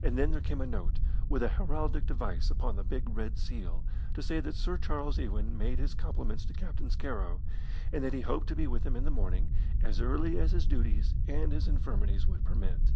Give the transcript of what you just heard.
And then there came a note, with a heraldic device upon the big red seal, to say that Sir Charles Ewan made his compliments to Captain Scarrow, and that he hoped to be with him in the morning as early as his duties and his infirmities would permit.